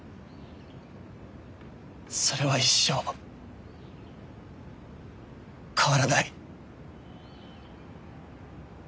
それは一生変わらない。